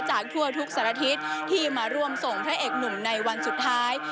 จากทั่วทุกสารทิศที่มาร่วมส่งพระเอกหนุ่มในวันสุดท้าย